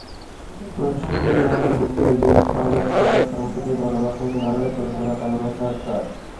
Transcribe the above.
প্রসূতি মাকে বুকের দুধ খাওয়ানোর সুফল সম্পর্কে গণমাধ্যমে ভালোভাবে প্রচারণা চালানো দরকার।